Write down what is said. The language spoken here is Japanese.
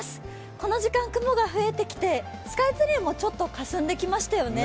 この時間、雲が増えてきてスカイツリーもちょっとかすんできましたよね。